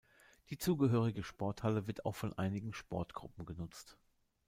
Die zugehörige Sporthalle wird auch von einigen Sportgruppen genutzt.